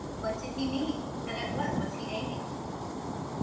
What did he mean, and at what was he aiming?